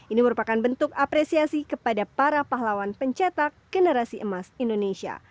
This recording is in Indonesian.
ini merupakan bentuk apresiasi kepada para pahlawan pencetak generasi emas indonesia